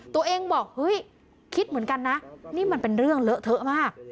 ตัวเองบอกเฮ้ยคิดเหมือนกันนะนี่มันเป็นเรื่องเลอะเทอะมาก